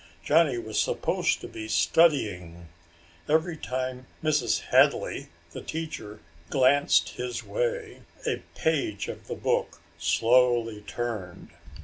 Johnny was supposed to be studying. Every time Mrs. Hadley, the teacher, glanced his way, a page of the book slowly turned.